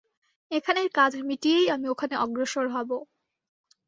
এখানের কাজ মিটিয়েই আমি ওখানে অগ্রসর হবো।